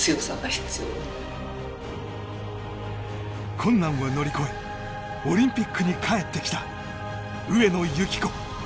困難を乗り越えオリンピックに帰ってきた上野由岐子。